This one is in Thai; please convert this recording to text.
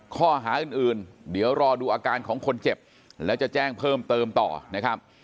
ข้อหาอื่นเดี๋ยวรอดูอาการของคนเจ็บแล้วจะแจ้งเพิ่มเติมต่อนะครับ